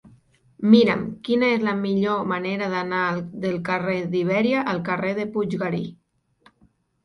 Mira'm quina és la millor manera d'anar del carrer d'Ibèria al carrer de Puiggarí.